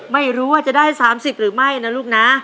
ไม่รู้ว่าจะได้๓๐หรือไม่นะลูกนะ